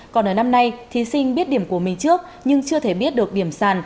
còn ở năm nay thí sinh biết điểm của mình trước nhưng chưa thể biết được điểm sàn